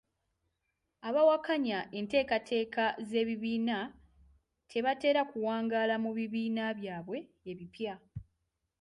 Abawakanya enteekateeka z'ebibiina tebatera kuwangaala mu bibiina byabwe ebipya.